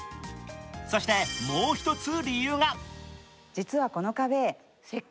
そして、もう一つ理由が。